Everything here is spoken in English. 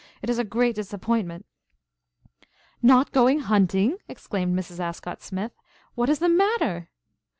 It is a great disappointment." "Not going hunting?" exclaimed Mrs. Ascott Smith. "What is the matter?"